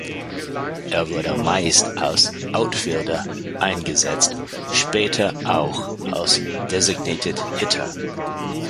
Er wurde meist als "Outfielder" eingesetzt, später auch als "Designated Hitter".